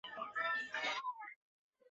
庇隆扩大政府花费。